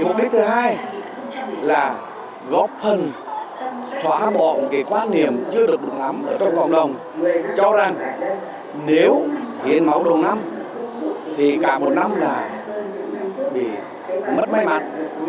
đề mục đích thứ hai là góp phần xóa bỏ một cái quan niệm chưa được được nắm ở trong cộng đồng cho rằng nếu hiếm máu đủ nắm thì cả một năm là bị mất may mắn